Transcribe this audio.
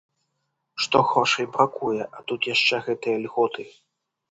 Што грошай бракуе, а тут яшчэ гэтыя льготы.